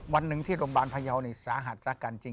วันนึงที่โรงพยาวนี้สาหัสสากันจริง